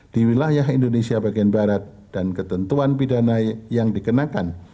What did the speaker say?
di wilayah indonesia bagian barat dan ketentuan pidana yang dikenakan